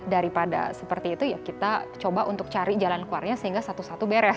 daripada seperti itu ya kita coba untuk cari jalan keluarnya sehingga satu satu beres